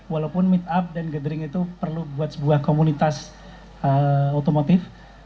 walaupun meet up dan gathering itu perlu buat sebuah komunitas otomotif